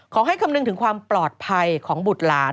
คำนึงถึงความปลอดภัยของบุตรหลาน